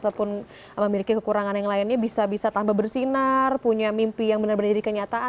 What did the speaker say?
ataupun memiliki kekurangan yang lainnya bisa bisa tambah bersinar punya mimpi yang benar benar jadi kenyataan